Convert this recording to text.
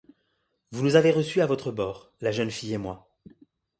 Vous nous avez reçus à votre bord, la jeune fille et moi.